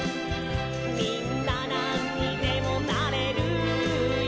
「みんななんにでもなれるよ！」